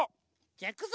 じゃいくぞ！